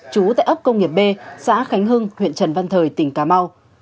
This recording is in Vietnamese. trú tại ấp công nghiệp b xã khánh hưng huyện trần văn thời tỉnh cà mau